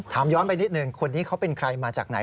ย้อนไปนิดหนึ่งคนนี้เขาเป็นใครมาจากไหน